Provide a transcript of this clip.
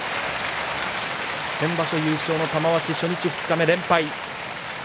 先場所優勝の玉鷲、初日二日目連敗です。